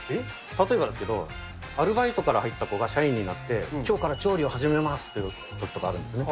例えばですけど、アルバイトから入った子が社員になって、きょうから調理を始めますってときがあるんですね。